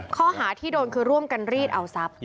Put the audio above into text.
ข้อหาที่โดนคือร่วมกันรีดเอาทรัพย์